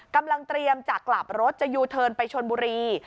กำลังเตรียมจะกลับรถจะยูเทิร์นไปชนบุรี